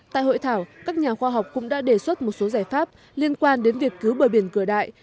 tại hội thảo các nhà khoa học cũng đã đề xuất một số giải pháp liên quan đến việc cứu bờ biển cửa đại